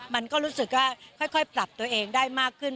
มันก็รู้สึกว่าค่อยปรับตัวเองได้มากขึ้น